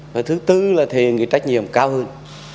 và thứ tư là thể hiện trách nhiệm cao hơn